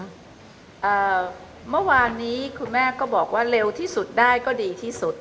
เมื่อวานนี้คุณแม่ก็บอกว่าเร็วที่สุดได้ก็ดีที่สุด